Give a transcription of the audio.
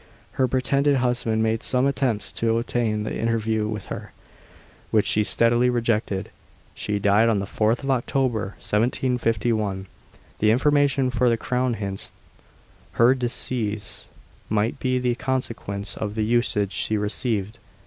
Her pretended husband made some attempts to obtain an interview with her, which she steadily rejected. She died on the 4th October 1751. The information for the Crown hints that her decease might be the consequence of the usage she received.